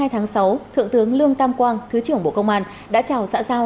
tháng sáu thượng tướng lương tam quang thứ trưởng bộ công an đã trào xã giao